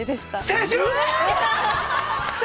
青春！！